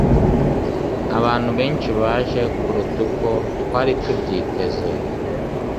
abantu benshi baje kuruta uko twari tubyiteze